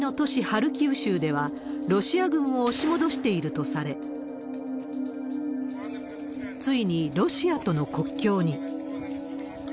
ハルキウ州では、ロシア軍を押し戻しているとされ、ついにロシアとの国境に。